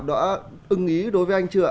đã ưng ý đối với anh chưa ạ